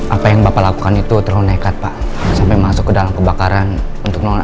apa yang bapak lakukan itu terlalu nekat pak sampai masuk ke dalam kebakaran untuk nonton